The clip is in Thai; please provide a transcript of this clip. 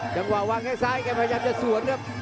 จังหวะวางแค่ซ้ายแกพยายามจะสวนครับ